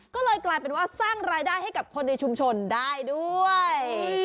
ก็เลยกลายเป็นว่าสร้างรายได้ให้กับคนในชุมชนได้ด้วย